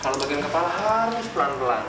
kalau bagian kepala harus pelan pelan